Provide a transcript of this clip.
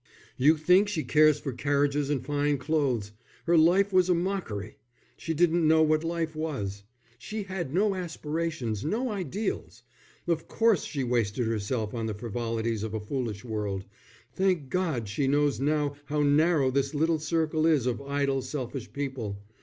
"You think she cares for carriages and fine clothes. Her life was a mockery. She didn't know what life was. She had no aspirations, no ideals. Of course she wasted herself on the frivolities of a foolish world. Thank God, she knows now how narrow this little circle is of idle, selfish people.